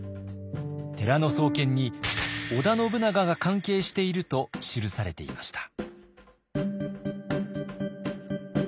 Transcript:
寺の創建に織田信長が関係していると記されていました。